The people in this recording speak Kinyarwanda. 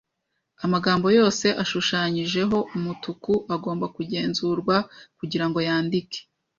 Amagambo yose ashushanyijeho umutuku agomba kugenzurwa kugirango yandike.